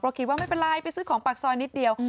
เพราะคิดว่าไม่เป็นไรไปซื้อของปากซอยนิดเดียว